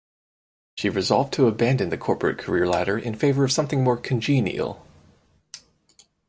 She resolved to abandon the corporate career ladder in favor of something more congenial.